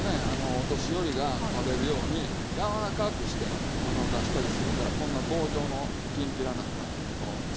お年寄りが食べるように柔らかくして出したりするからこんな棒状のきんぴらなんかをつくるんですよ。